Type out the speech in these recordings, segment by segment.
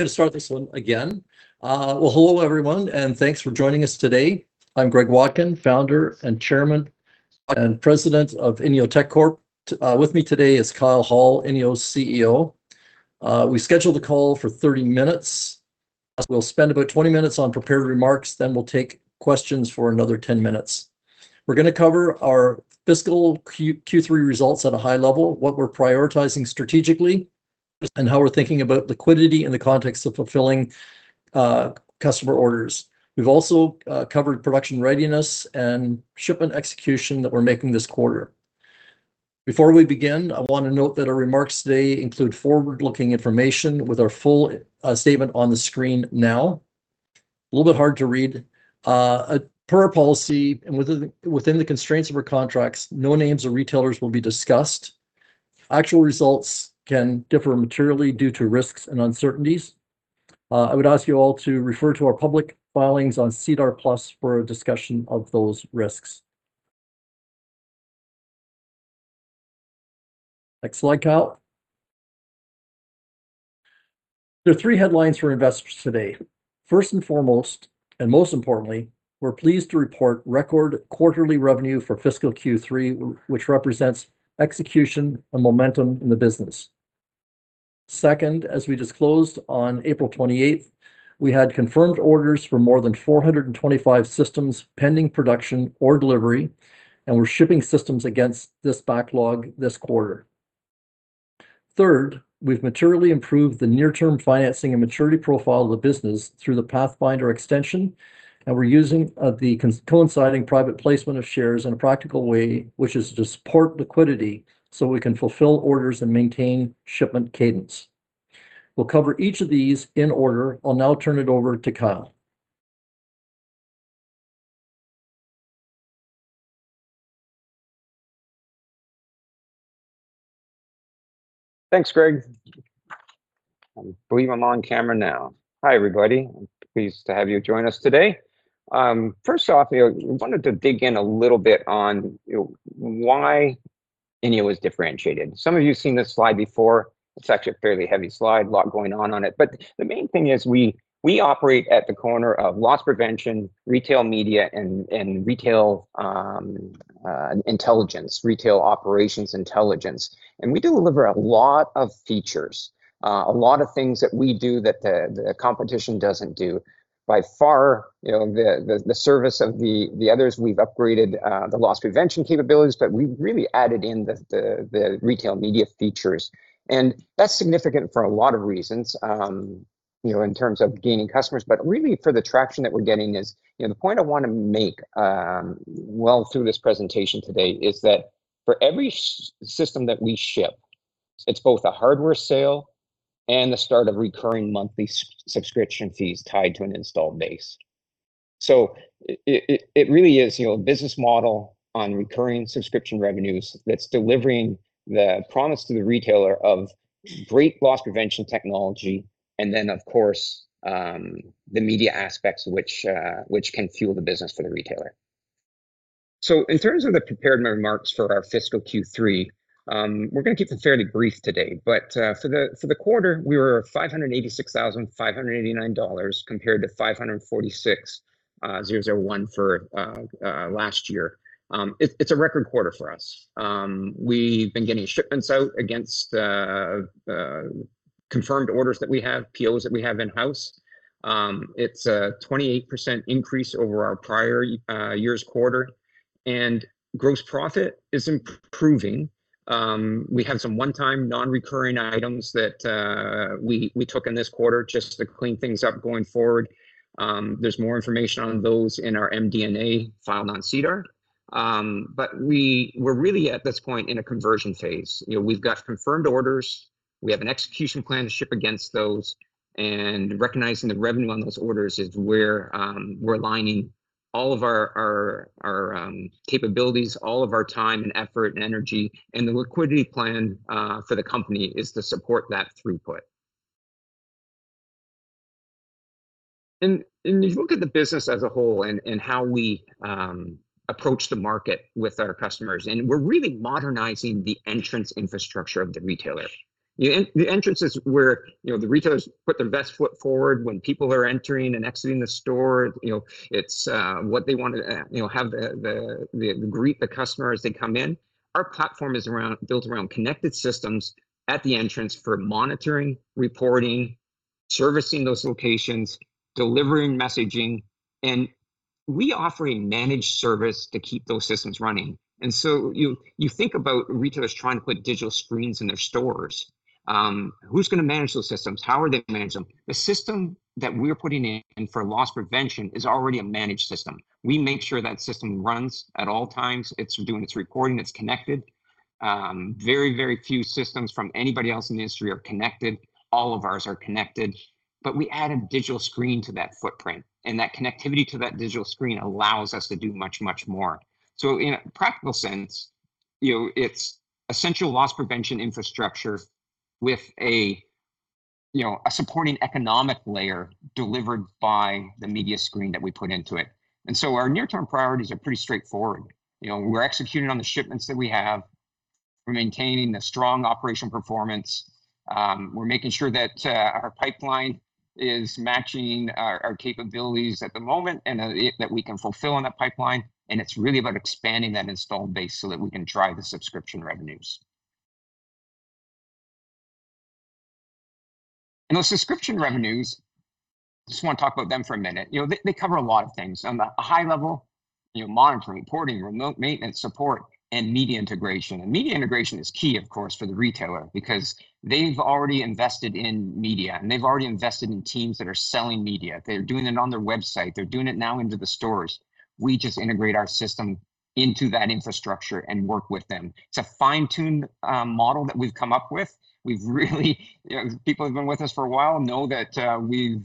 Hello everyone, and thanks for joining us today. I'm Greg Watkin, Founder, Chairman and President of INEO Tech Corp. With me today is Kyle Hall, INEO's CEO. We scheduled the call for 30 minutes, as we'll spend about 20 minutes on prepared remarks, then we'll take questions for another 10 minutes. We're going to cover our fiscal Q3 results at a high level, what we're prioritizing strategically, and how we're thinking about liquidity in the context of fulfilling customer orders. We've also covered production readiness and shipment execution that we're making this quarter. Before we begin, I want to note that our remarks today include forward-looking information with our full statement on the screen now. A little bit hard to read. Per our policy and within the constraints of our contracts, no names of retailers will be discussed. Actual results can differ materially due to risks and uncertainties. I would ask you all to refer to our public filings on SEDAR+ for a discussion of those risks. Next slide, Kyle. There are three headlines for investors today. First and foremost, and most importantly, we're pleased to report record quarterly revenue for fiscal Q3, which represents execution and momentum in the business. Second, as we disclosed on April 28th, we had confirmed orders for more than 425 systems pending production or delivery, and we're shipping systems against this backlog this quarter. Third, we've materially improved the near-term financing and maturity profile of the business through the Pathfinder extension, and we're using the coinciding private placement of shares in a practical way, which is to support liquidity so we can fulfill orders and maintain shipment cadence. We'll cover each of these in order. I'll now turn it over to Kyle. Thanks, Greg. I believe I'm on camera now. Hi, everybody. Pleased to have you join us today. First off, I wanted to dig in a little bit on why INEO is differentiated. Some of you have seen this slide before. It's actually a fairly heavy slide, a lot going on on it. The main thing is we operate at the corner of loss prevention, retail media, and retail intelligence, retail operations intelligence. We deliver a lot of features, a lot of things that we do that the competition doesn't do. By far, the service of, the others, we've upgraded the loss prevention capabilities, but we really added in the retail media features. That's significant for a lot of reasons, in terms of gaining customers, but really for the traction that we're getting is, the point I want to make well through this presentation today is that for every system that we ship, it's both a hardware sale and the start of recurring monthly subscription fees tied to an installed base. It really is a business model on recurring subscription revenues that's delivering the promise to the retailer of great loss prevention technology and then, of course, the media aspects, which can fuel the business for the retailer. In terms of the prepared remarks for our fiscal Q3, we're going to keep it fairly brief today. For the quarter, we were 586,589 dollars compared to 546,001 for last year. It's a record quarter for us. We've been getting shipments out against confirmed orders that we have, POs that we have in-house. It's a 28% increase over our prior year's quarter, and gross profit is improving. We have some one-time non-recurring items that we took in this quarter just to clean things up going forward. There's more information on those in our MD&A filed on SEDAR. We're really at this point in a conversion phase. We've got confirmed orders. We have an execution plan to ship against those, and recognizing the revenue on those orders is where we're aligning all of our capabilities, all of our time and effort and energy, and the liquidity plan for the company is to support that throughput. If you look at the business as a whole and how we approach the market with our customers, and we're really modernizing the entrance infrastructure of the retailer. The entrance is where the retailers put their best foot forward when people are entering and exiting the store. It's what they want to have greet the customer as they come in. Our platform is built around connected systems at the entrance for monitoring, reporting, servicing those locations, delivering messaging, and we offer a managed service to keep those systems running. You think about retailers trying to put digital screens in their stores. Who's going to manage those systems? How are they going to manage them? The system that we're putting in for loss prevention is already a managed system. We make sure that system runs at all times. It's doing its recording. It's connected. Very few systems from anybody else in the industry are connected. All of ours are connected. We add a digital screen to that footprint, and that connectivity to that digital screen allows us to do much more. In a practical sense, it's essential loss prevention infrastructure with a supporting economic layer delivered by the media screen that we put into it. Our near-term priorities are pretty straightforward. We're executing on the shipments that we have. We're maintaining a strong operational performance. We're making sure that our pipeline is matching our capabilities at the moment, and that we can fulfill on that pipeline. It's really about expanding that installed base so that we can drive the subscription revenues. Those subscription revenues, just want to talk about them for a minute. They cover a lot of things. On the high level, monitoring, reporting, remote maintenance support, and media integration. Media integration is key, of course, for the retailer, because they've already invested in media, and they've already invested in teams that are selling media. They're doing it on their website. They're doing it now into the stores. We just integrate our system into that infrastructure and work with them. It's a fine-tuned model that we've come up with. People who've been with us for a while know that we've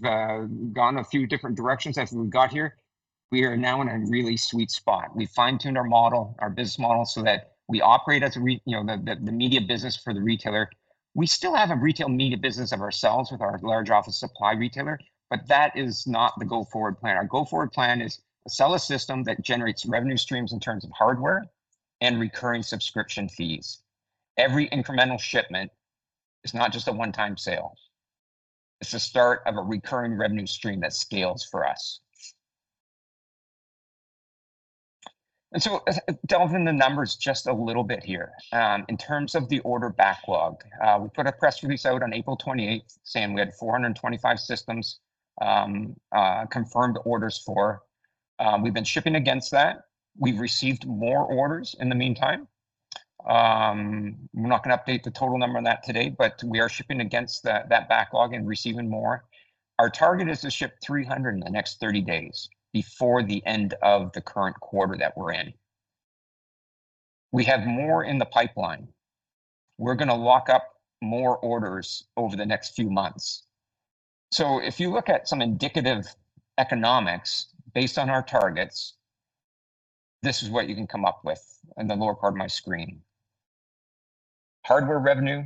gone a few different directions as we got here. We are now in a really sweet spot. We fine-tuned our model, our business model, so that we operate the media business for the retailer. We still have a retail media business of ourselves with our large office supply retailer, but that is not the go-forward plan. Our go-forward plan is to sell a system that generates revenue streams in terms of hardware and recurring subscription fees. Every incremental shipment is not just a one-time sale. It's the start of a recurring revenue stream that scales for us. Delving the numbers just a little bit here. In terms of the order backlog, we put a press release out on April 28th saying we had 425 systems confirmed orders for. We've been shipping against that. We've received more orders in the meantime. We're not going to update the total number on that today, but we are shipping against that backlog and receiving more. Our target is to ship 300 in the next 30 days, before the end of the current quarter that we're in. We have more in the pipeline. We're going to lock up more orders over the next few months. If you look at some indicative economics based on our targets, this is what you can come up with in the lower part of my screen. Hardware revenue,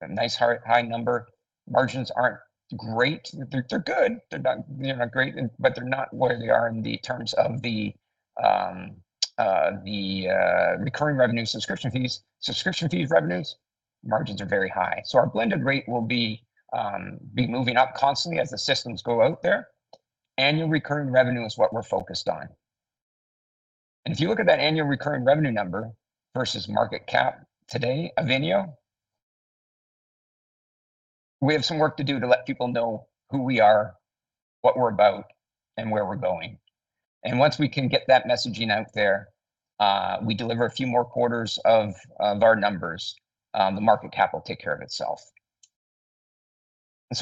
a nice high number. Margins aren't great. They're good. They're not great, but they're not where they are in the terms of the recurring revenue subscription fees. Subscription fees revenues, margins are very high. Our blended rate will be moving up constantly as the systems go out there. Annual recurring revenue is what we're focused on. If you look at that annual recurring revenue number versus market cap today of INEO, we have some work to do to let people know who we are, what we're about, and where we're going. Once we can get that messaging out there, we deliver a few more quarters of our numbers, the market cap will take care of itself.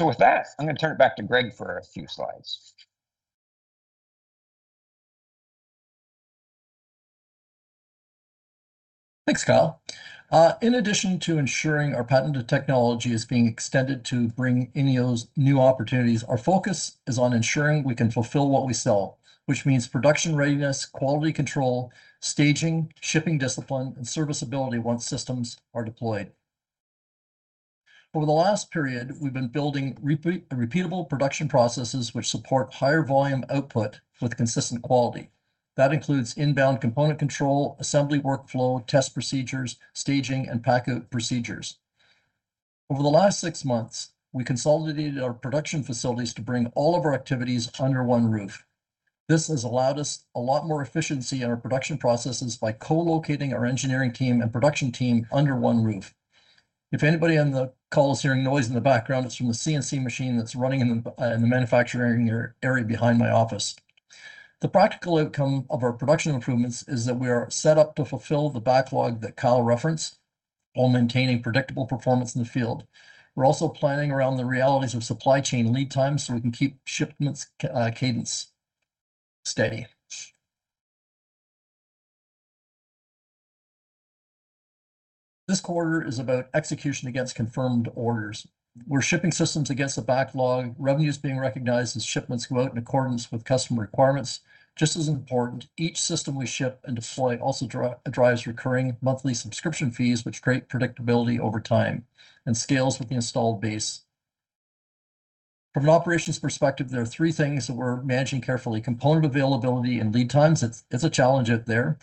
With that, I'm going to turn it back to Greg for a few slides. Thanks, Kyle. In addition to ensuring our patented technology is being extended to bring INEO's new opportunities, our focus is on ensuring we can fulfill what we sell, which means production readiness, quality control, staging, shipping discipline, and serviceability once systems are deployed. Over the last period, we've been building repeatable production processes which support higher volume output with consistent quality. That includes inbound component control, assembly workflow, test procedures, staging, and pack-out procedures. Over the last six months, we consolidated our production facilities to bring all of our activities under one roof. This has allowed us a lot more efficiency in our production processes by co-locating our engineering team and production team under one roof. If anybody on the call is hearing noise in the background, it's from the CNC machine that's running in the manufacturing area behind my office. The practical outcome of our production improvements is that we are set up to fulfill the backlog that Kyle referenced, while maintaining predictable performance in the field. We're also planning around the realities of supply chain lead times so we can keep shipments cadence steady. This quarter is about execution against confirmed orders. We're shipping systems against the backlog. Revenue is being recognized as shipments go out in accordance with customer requirements. Just as important, each system we ship and deploy also drives recurring monthly subscription fees, which create predictability over time and scales with the installed base. From an operations perspective, there are three things that we're managing carefully. Component availability and lead times. It's a challenge out there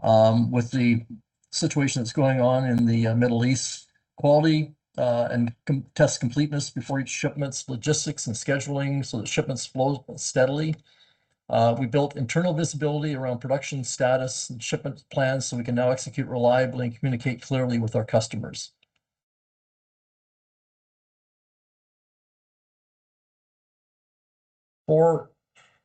with the situation that's going on in the Middle East. Quality and test completeness before each shipment. Logistics and scheduling so that shipments flow steadily. We built internal visibility around production status and shipment plans so we can now execute reliably and communicate clearly with our customers. For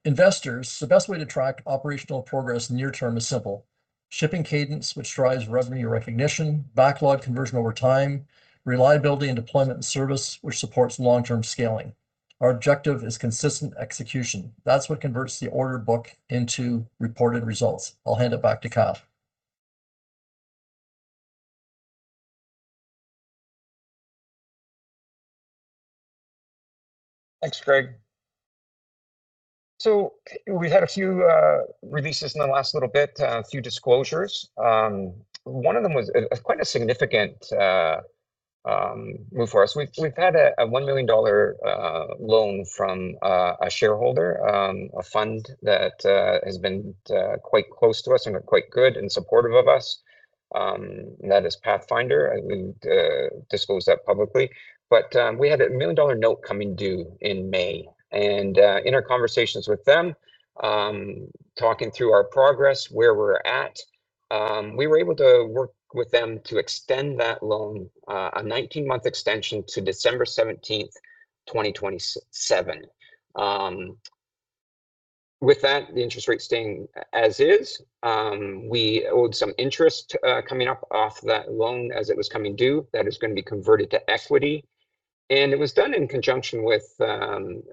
investors, the best way to track operational progress near term is simple. Shipping cadence, which drives revenue recognition, backlog conversion over time, reliability in deployment and service, which supports long-term scaling. Our objective is consistent execution. That's what converts the order book into reported results. I'll hand it back to Kyle. Thanks, Greg. We've had a few releases in the last little bit, a few disclosures. One of them was quite a significant move for us. We've had a 1 million dollar loan from a shareholder, a fund that has been quite close to us and are quite good and supportive of us, and that is Pathfinder. We disclose that publicly. We had a 1 million dollar note coming due in May, and in our conversations with them, talking through our progress, where we're at, we were able to work with them to extend that loan, a 19-month extension to December 17th, 2027. With that, the interest rate staying as is. We owed some interest coming up off that loan as it was coming due. That is going to be converted to equity. It was done in conjunction with the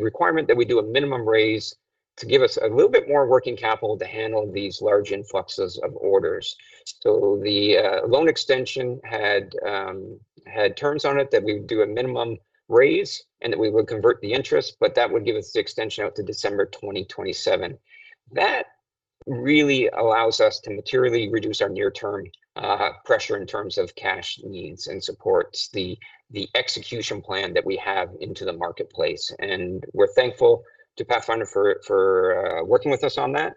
requirement that we do a minimum raise to give us a little bit more working capital to handle these large influxes of orders. The loan extension had terms on it that we do a minimum raise and that we would convert the interest, but that would give us the extension out to December 2027. That really allows us to materially reduce our near-term pressure in terms of cash needs and supports the execution plan that we have into the marketplace. We're thankful to Pathfinder for working with us on that.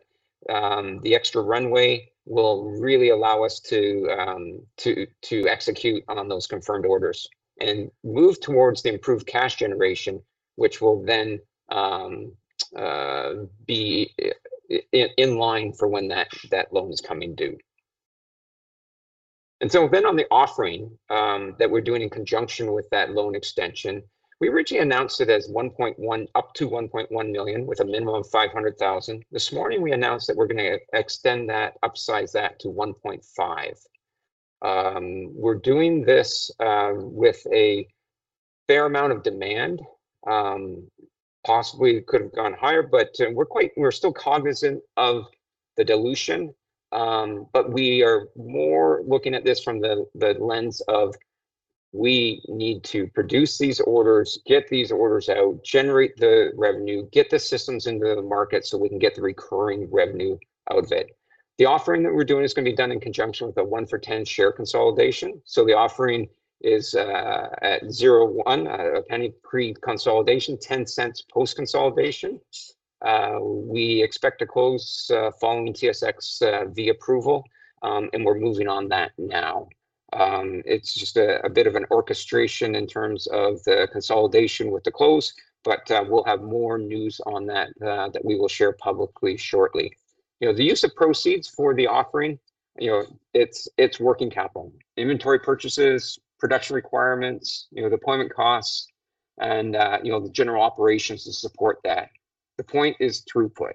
The extra runway will really allow us to execute on those confirmed orders and move towards the improved cash generation, which will then be in line for when that loan is coming due. On the offering that we're doing in conjunction with that loan extension, we originally announced it as up to 1.1 million with a minimum of 500,000. This morning we announced that we're going to extend that, upsize that to 1.5 million. We're doing this with a fair amount of demand. Possibly could have gone higher, but we're still cognizant of the dilution. We are more looking at this from the lens of we need to produce these orders, get these orders out, generate the revenue, get the systems into the market so we can get the recurring revenue out of it. The offering that we're doing is going to be done in conjunction with a one for 10 share consolidation. The offering is at 0.01 pre-consolidation, 0.10 post-consolidation. We expect to close following TSXV approval, and we're moving on that now. It's just a bit of an orchestration in terms of the consolidation with the close, but we'll have more news on that that we will share publicly shortly. The use of proceeds for the offering, it's working capital, inventory purchases, production requirements, deployment costs, and the general operations to support that. The point is throughput.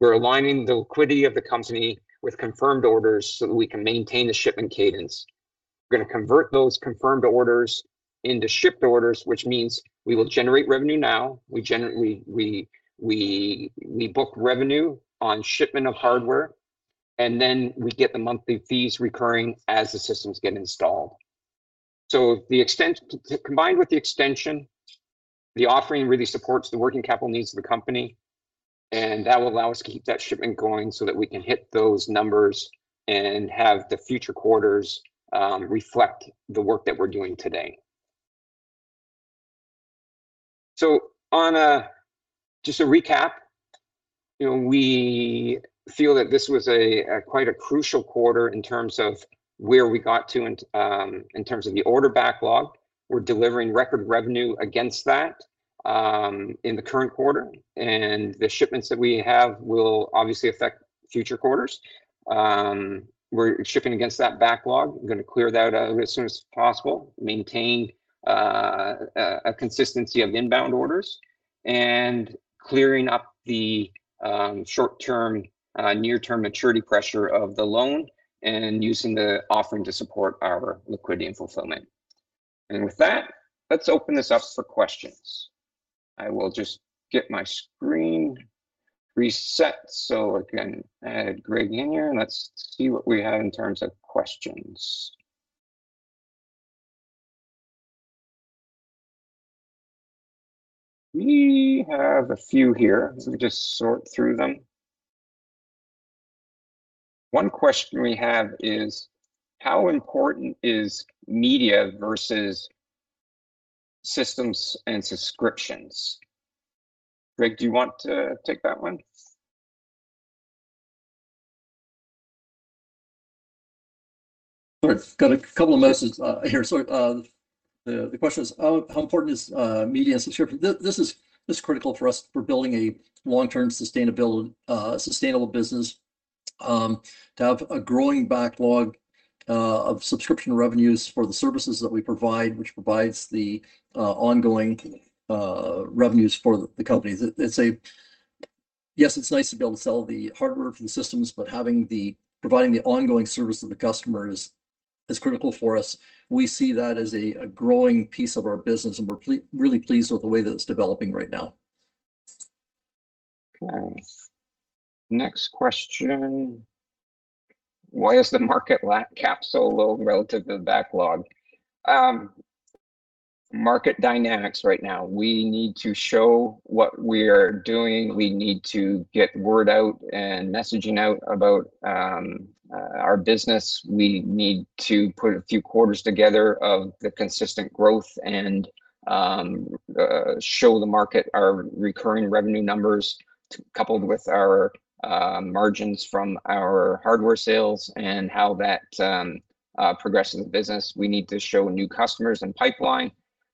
We're aligning the liquidity of the company with confirmed orders so that we can maintain the shipment cadence. We're going to convert those confirmed orders into shipped orders, which means we will generate revenue now. We book revenue on shipment of hardware, and then we get the monthly fees recurring as the systems get installed. Combined with the extension, the offering really supports the working capital needs of the company, and that will allow us to keep that shipment going so that we can hit those numbers and have the future quarters reflect the work that we're doing today. On a, just a recap, we feel that this was quite a crucial quarter in terms of where we got to in terms of the order backlog. We're delivering record revenue against that in the current quarter, and the shipments that we have will obviously affect future quarters. We're shipping against that backlog, going to clear that out as soon as possible, maintain a consistency of inbound orders, and clearing up the short-term, near-term maturity pressure of the loan, and using the offering to support our liquidity and fulfillment. With that, let's open this up for questions. I will just get my screen reset so I can add Greg in here, and let's see what we have in terms of questions. We have a few here, so let me just sort through them. One question we have is, How important is media versus systems and subscriptions? Greg, do you want to take that one? Sorry. Got a couple of messages here. Sorry. The question is, How important is media and subscription? This is critical for us for building a long-term sustainable business, to have a growing backlog of subscription revenues for the services that we provide, which provides the ongoing revenues for the company. Yes, it's nice to be able to sell the hardware for the systems, but providing the ongoing service to the customer is critical for us. We see that as a growing piece of our business, and we're really pleased with the way that it's developing right now. Okay. Next question. Why is the market cap so low relative to the backlog? Market dynamics right now. We need to show what we're doing. We need to get word out and messaging out about our business. We need to put a few quarters together of the consistent growth and show the market our recurring revenue numbers, coupled with our margins from our hardware sales and how that progresses the business. We need to show new customers and pipeline,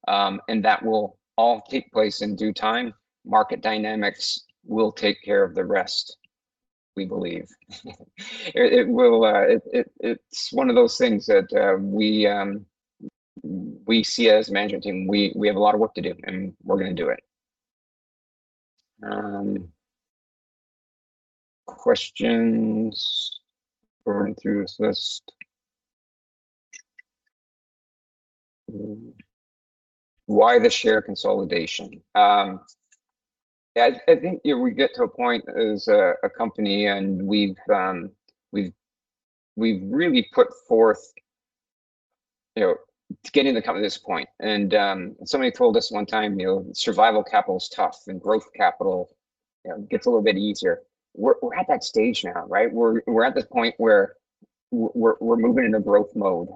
and that will all take place in due time. Market dynamics will take care of the rest, we believe. It's one of those things that we see as a management team. We have a lot of work to do, and we're going to do it. Questions, burning through this list. Why the share consolidation? I think we get to a point as a company we've really put forth to getting the company to this point. Somebody told us one time, survival capital is tough and growth capital gets a little bit easier. We're at that stage now, right? We're at this point where we're moving into growth mode.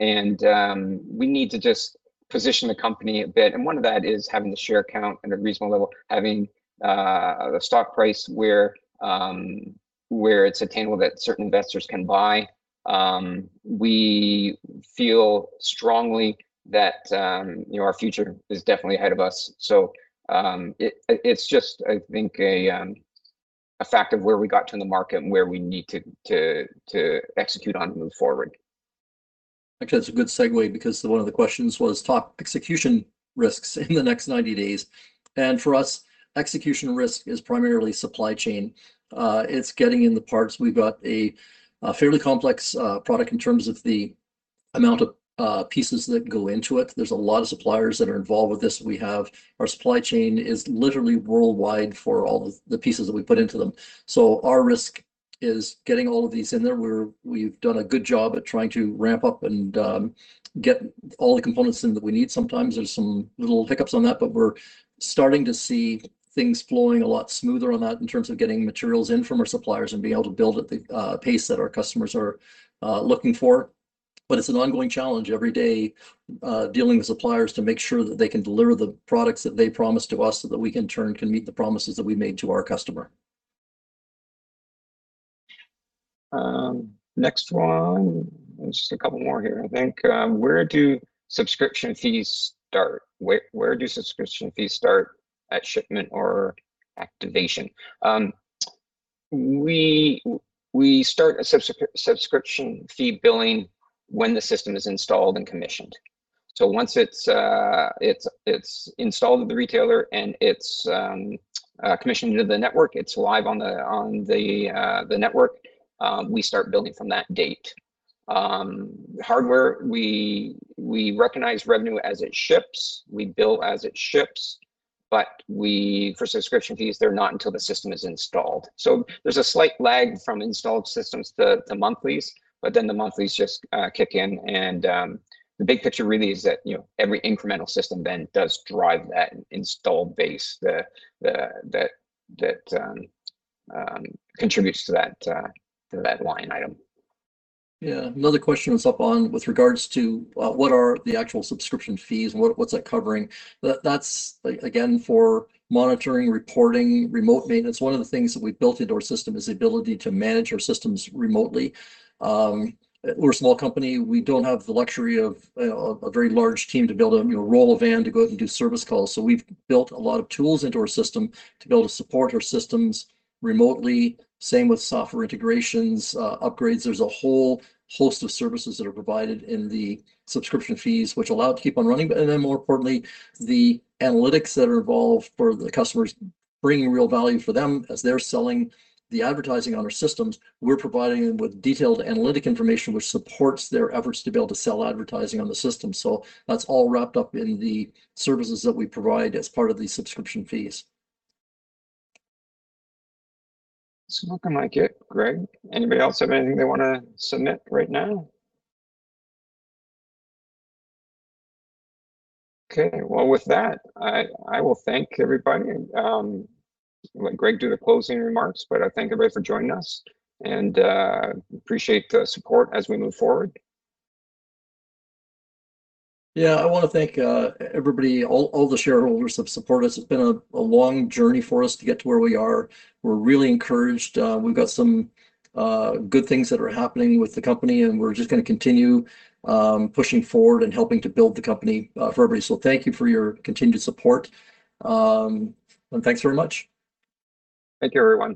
We need to just position the company a bit, and one of that is having the share count at a reasonable level, having a stock price where it's attainable that certain investors can buy. We feel strongly that our future is definitely ahead of us. It's just, I think, a fact of where we got to in the market and where we need to execute on to move forward. Actually, that's a good segue because one of the questions was, Top execution risks in the next 90 days. For us, execution risk is primarily supply chain. It's getting in the parts. We've got a fairly complex product in terms of the amount of pieces that go into it. There's a lot of suppliers that are involved with this. Our supply chain is literally worldwide for all the pieces that we put into them. Our risk is getting all of these in there. We've done a good job at trying to ramp up and get all the components in that we need. Sometimes there's some little hiccups on that, but we're starting to see things flowing a lot smoother on that in terms of getting materials in from our suppliers and being able to build at the pace that our customers are looking for. It's an ongoing challenge every day dealing with suppliers to make sure that they can deliver the products that they promise to us, so that we in turn can meet the promises that we've made to our customer. Next one. There's just a couple more here, I think. Where do subscription fees start? Where do subscription fees start, at shipment or activation? We start a subscription fee billing when the system is installed and commissioned. Once it's installed at the retailer and it's commissioned into the network, it's live on the network, we start billing from that date. Hardware, we recognize revenue as it ships, we bill as it ships. For subscription fees, they're not until the system is installed. There's a slight lag from installed systems to the monthlies, the monthlies just kick in. The big picture really is that every incremental system then does drive that installed base that contributes to that line item. Yeah. Another question that's up on with regards to, What are the actual subscription fees and what's that covering? That's, again, for monitoring, reporting, remote maintenance. One of the things that we've built into our system is the ability to manage our systems remotely. We're a small company. We don't have the luxury of a very large team to build a roll van to go out and do service calls. We've built a lot of tools into our system to be able to support our systems remotely. Same with software integrations, upgrades. There's a whole host of services that are provided in the subscription fees which allow it to keep on running. More importantly, the analytics that are involved for the customers, bringing real value for them as they're selling the advertising on our systems. We're providing them with detailed analytic information which supports their efforts to be able to sell advertising on the system. That's all wrapped up in the services that we provide as part of the subscription fees. Looking like it, Greg. Anybody else have anything they want to submit right now? Okay, well, with that, I will thank everybody. Let Greg do the closing remarks. I thank everybody for joining us, and appreciate the support as we move forward. I want to thank everybody, all the shareholders who have supported us. It's been a long journey for us to get to where we are. We're really encouraged. We've got some good things that are happening with the company, and we're just going to continue pushing forward and helping to build the company for everybody. Thank you for your continued support. Thanks very much. Thank you, everyone.